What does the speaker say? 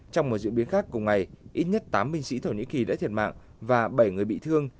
trong một diễn biến khác cùng ngày ít nhất tám binh sĩ thổ nhĩ kỳ đã thiệt mạng và bảy người bị thương